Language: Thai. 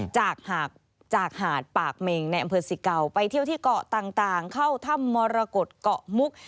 จากหาดปากเมงในอำเภอสิเกาไปเที่ยวที่เกาะต่างเข้าถ้ำมรกฏเกาะมุก